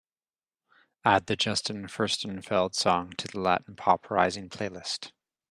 Add the Justin Furstenfeld song to the latin pop rising playlist.